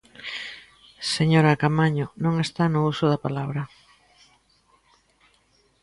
Señora Caamaño, non está no uso da palabra.